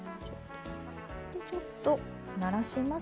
でちょっとならしますね。